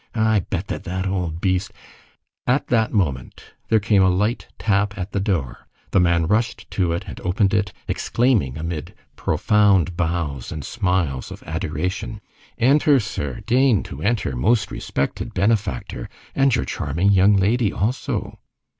I'll bet that that old beast—" At that moment there came a light tap at the door, the man rushed to it and opened it, exclaiming, amid profound bows and smiles of adoration:— "Enter, sir! Deign to enter, most respected benefactor, and your charming young lady, also."